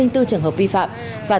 trường hợp vi phạm và